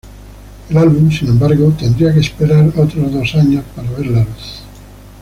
El álbum, sin embargo, tendría que esperar otros dos años para ver la luz.